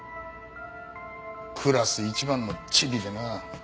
クラス一番のチビでな。